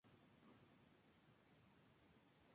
Megami Magazine